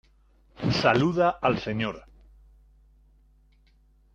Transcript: Saluda al Sr.